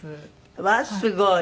わあーすごい。